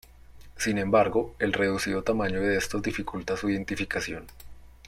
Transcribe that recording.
Sin embargo, el reducido tamaño de estos dificulta su identificación.